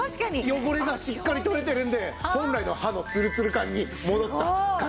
汚れがしっかり取れてるんで本来の歯のツルツル感に戻った感じになるわけなんですね。